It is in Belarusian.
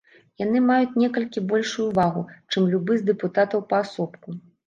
Яны маюць некалькі большую вагу, чым любы з дэпутатаў паасобку.